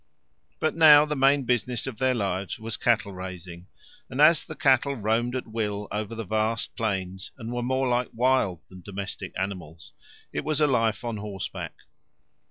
But now the main business of their lives was cattle raising, and as the cattle roamed at will over the vast plains and were more like wild than domestic animals, it was a life on horseback.